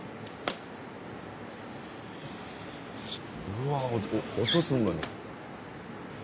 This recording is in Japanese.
うわ音すんのよ。